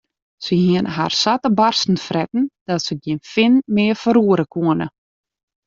Se hiene har sa te barsten fretten dat se gjin fin mear ferroere koene.